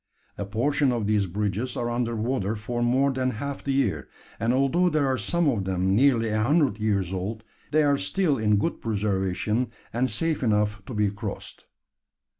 A portion of these bridges are under water for more than half the year; and although there are some of them nearly a hundred years old, they are still in good preservation, and safe enough to be crossed.